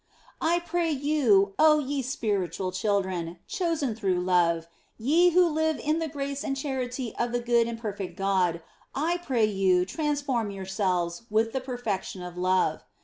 I pray you, oh ye spiritual children, chosen through love, ye who live in the grace and charity of the good and perfect God, I pray you transform yourselves with the perfection of love.